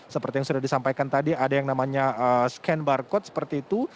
seperti yang sudah disampaikan tadi ada yang namanya scan barcode seperti itu